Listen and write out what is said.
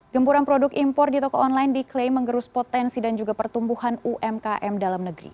gempuran produk impor di toko online diklaim mengerus potensi dan juga pertumbuhan umkm dalam negeri